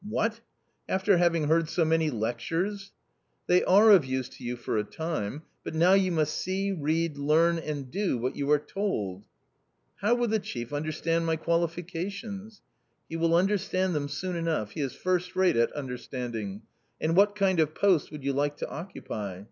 "What? after having heard so many lectures." " They are of use to you for a time, but now you must see, read, learn and do what you are told." " How will the chief understand my qualifications ?"" He will understand them soon enough ; he is first rate at understanding. And what kind of post would you like to occupy